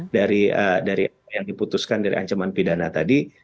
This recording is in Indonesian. dari apa yang diputuskan dari ancaman pidana tadi